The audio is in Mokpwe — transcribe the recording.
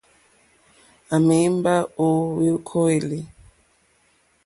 À mèmbá ó hwìúkèlì.